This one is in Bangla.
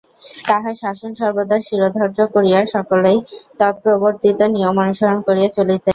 তাঁহার শাসন সর্বদা শিরোধার্য করিয়া সকলেই তৎপ্রবর্তিত নিয়ম অনুসরণ করিয়া চলিতেন।